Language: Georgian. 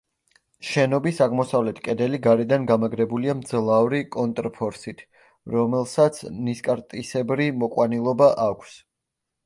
შენობის აღმოსავლეთ კედელი გარედან გამაგრებულია მძლავრი კონტრფორსით, რომელსაც ნისკარტისებრი მოყვანილობა აქვს.